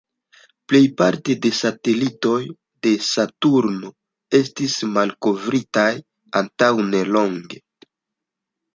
Plejparte de satelitoj de Saturno estis malkovritaj antaŭ nelonge.